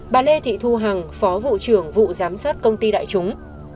bà lê thị thu hằng phó vụ trưởng vụ giám sát công ty đại chúng